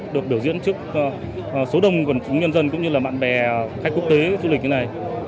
được biểu diễn trước số đông quần chúng nhân dân cũng như là bạn bè khách quốc tế du lịch như thế này